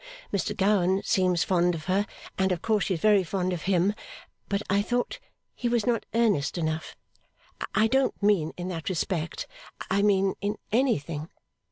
Mr Gowan seems fond of her, and of course she is very fond of him, but I thought he was not earnest enough I don't mean in that respect I mean in anything.